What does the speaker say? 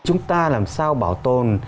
chúng ta làm sao bảo tồn